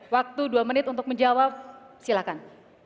waktu dua menit untuk menjawab silakan